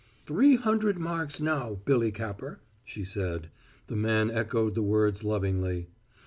"Three hundred marks now, Billy Capper," she said. The man echoed the words lovingly.